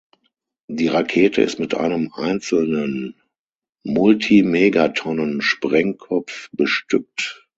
Die Rakete ist mit einem einzelnen Multimegatonnen-Sprengkopf bestückt.